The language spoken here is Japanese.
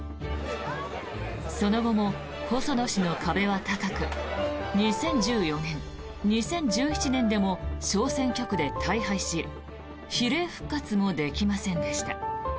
その後も細野氏の壁は高く２０１４年、２０１７年でも小選挙区で大敗し比例復活もできませんでした。